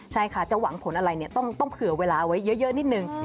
ใช่ค่ะจะหวังผลอะไรเนี่ยต้องเผื่อเวลาไว้เยอะนิดนึง